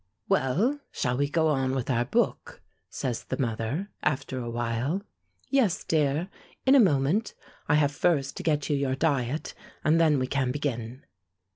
"Well, shall we go on with our book?" says the mother, after a while. "Yes, dear, in a moment. I have first to get you your diet, and then we can begin."